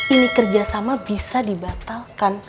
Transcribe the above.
ini kerjasama bisa dibatalkan